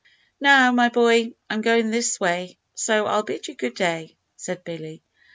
"Now, my boy, I'm going this way, so I'll bid you good day," said Billy.